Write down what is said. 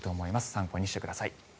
参考にしてください。